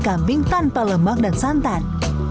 kambing tanpa lemak dan santan